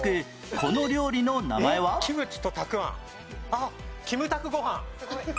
あっキムタクごはん。